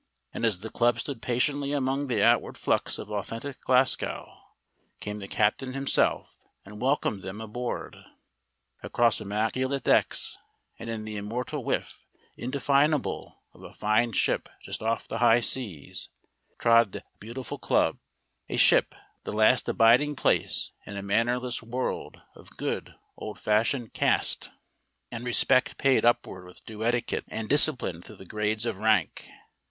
And as the club stood patiently among the outward flux of authentic Glasgow, came the captain himself and welcomed them aboard. Across immaculate decks, and in the immortal whiff, indefinable, of a fine ship just off the high seas, trod the beatified club. A ship, the last abiding place in a mannerless world of good old fashioned caste, and respect paid upward with due etiquette and discipline through the grades of rank.